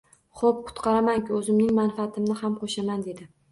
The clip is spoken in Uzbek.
Ho‘p qutqaraman-ku o‘zimning manfaatimni ham qo‘shaman dedi.